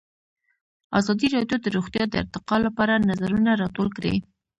ازادي راډیو د روغتیا د ارتقا لپاره نظرونه راټول کړي.